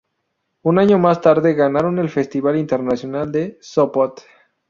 Un año más tarde, ganaron el Festival Internacional de Sopot.